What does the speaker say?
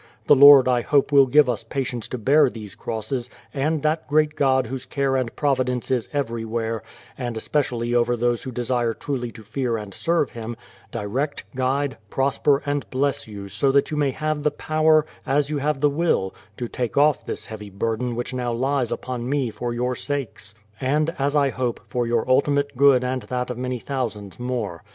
The Lord I hope will 248 BRADFORD'S HISTORY OF give us patience to bear these crosses and that great God Whose care and providence is everywhere, and especially over those who desire truly to fear and serve Him, direct, guide, prosper, and bless you so that you may have the povi^er, as you have the will, to take off this heavy burden which now lies upon me for your sakes, — and, as I hope, for your ultimate good and that of many thousands more.